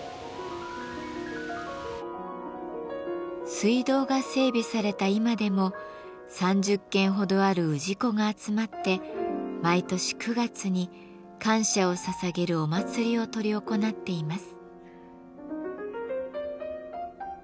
水道が整備された今でも３０軒ほどある氏子が集まって毎年９月に感謝をささげるお祭りを執り行っています。